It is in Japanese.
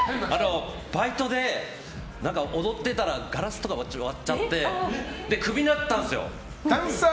バイトで踊ってたらガラスとか割っちゃってクビになったんですよ。